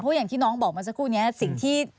เพราะอย่างที่น้องบอกมาสักครู่นี้